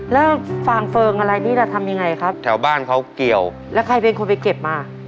แล้วฟางเฟิงอะไรนี่เราทำยังไงครับแถวบ้านเขาเกี่ยวแล้วใครเป็นคนไปเก็บมา